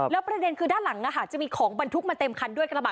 แล้วประเด็นคือด้านหลังจะมีของบรรทุกมาเต็มคันด้วยกระบะ